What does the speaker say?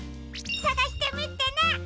さがしてみてね！